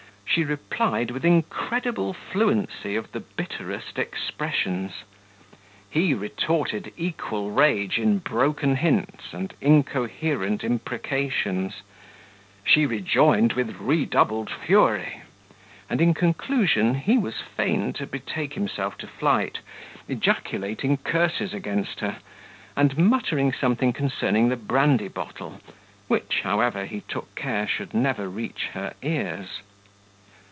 She replied with incredible fluency of the bitterest expressions: he retorted equal rage in broken hints and incoherent imprecations: she rejoined with redoubled fury; and in conclusion he was fain to betake himself to flight, ejaculating curses against her; and muttering something concerning the brandy bottle, which, however, he took care should never reach her ears.